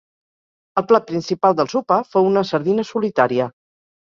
El plat principal del sopar fou una sardina solitària